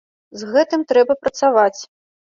З гэтым трэба працаваць.